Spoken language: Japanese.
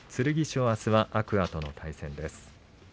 剣翔、あすは天空海との対戦です。